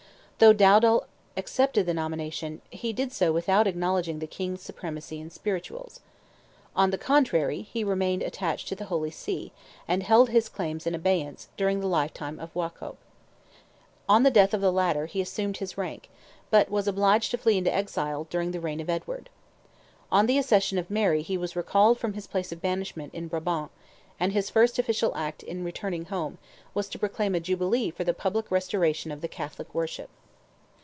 Though Dowdal accepted the nomination, he did so without acknowledging the King's supremacy in spirituals. On the contrary he remained attached to the Holy See, and held his claims in abeyance, during the lifetime of Waucop. On the death of the latter, he assumed his rank, but was obliged to fly into exile, during the reign of Edward. On the accession of Mary he was recalled from his place of banishment in Brabant, and his first official act on returning home was to proclaim a Jubilee for the public restoration of the Catholic worship.